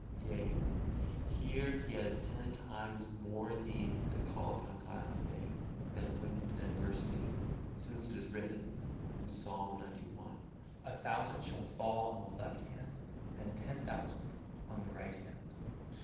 Yea, here he has ten times more need to call upon God's Name than when in adversity. Since it is written, Psalm xci, "A thousand shall fall on the left hand and ten thousand on the right hand."